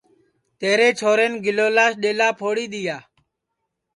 تیرے چھورین گیلولاس ڈؔیلا پھوڑی دؔیا